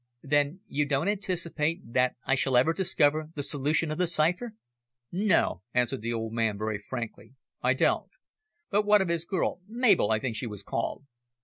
"Then you don't anticipate that I shall ever discover the solution of the cipher?" "No," answered the old man, very frankly, "I don't. But what of his girl Mabel, I think she was called?"